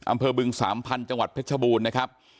อำเภยบึงสาหพันธุ์จังหวัดเพชบูรณ์นะครับ